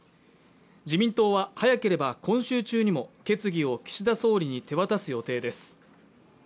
自民党は早ければ今週中にも決議を岸田総理に手渡す予定です